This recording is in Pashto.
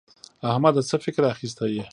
احمده څه فکر اخيستی يې؟